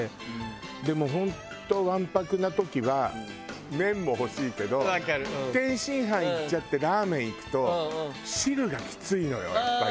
でも本当わんぱくな時は麺も欲しいけど天津飯いっちゃってラーメンいくと汁がきついのよやっぱり。